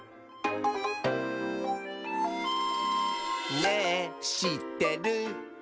「ねぇしってる？」